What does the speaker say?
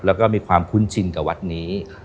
แล้วก็มีความคุ้นชินกับวัดนี้